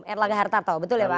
erlaga hartarto betul ya bang